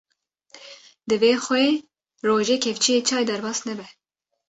divê xwê rojê kevçiyê çay derbas nebe